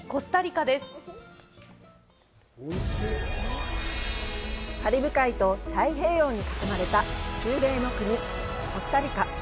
カリブ海と太平洋に囲まれた中米の国・コスタリカ。